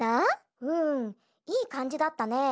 うんいいかんじだったね。